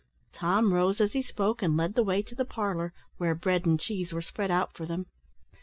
Tom rose as he spoke, and led the way to the parlour, where bread and cheese were spread out for them.